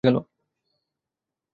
এমনি দুর্দৈব যে, মানুষও জুটিয়া গেল।